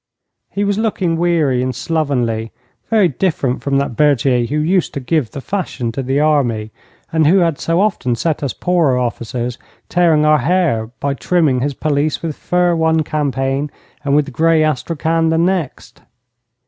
He was looking weary and slovenly very different from that Berthier who used to give the fashion to the army, and who had so often set us poorer officers tearing our hair by trimming his pelisse with fur one campaign, and with grey astrakhan the next.